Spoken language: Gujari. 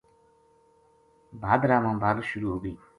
بھادرا ما بارش شروع ہو گئی